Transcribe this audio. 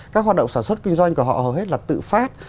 các hoạt động sản xuất kinh doanh của họ hầu hết là tự phát